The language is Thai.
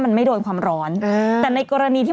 มะม่วงสุกก็มีเหมือนกันมะม่วงสุกก็มีเหมือนกัน